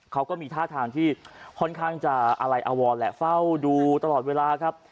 เขาก็มีท่าทางที่ค่อนข้างจะอะไรอวรแหละเฝ้าดูตลอดเวลาครับ